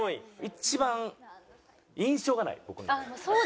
一番印象がない僕の中で。